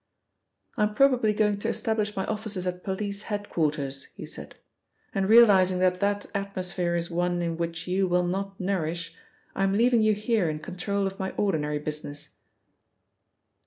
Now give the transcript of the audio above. "I am probably going to establish my offices at police head quarters," he said, "and realising that that atmosphere is one in which you will not nourish, I am leaving you here in control of my ordinary business."